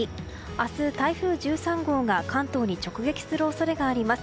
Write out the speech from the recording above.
明日、台風１３号が関東に直撃する恐れがあります。